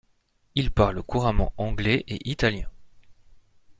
Il parle couramment anglais et italien.